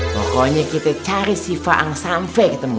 pokoknya kita cari si fa'ang sampe ketemu